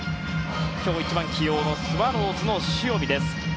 今日、１番起用のスワローズの塩見。